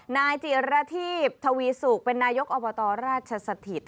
นายจิลฤทธิพรรษธวีสุกเป็นนายกอวทราชสถิต